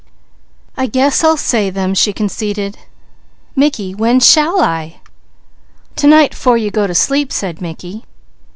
"I guess I'll say them. Mickey when shall I?" "To night 'fore you go to sleep," said Mickey.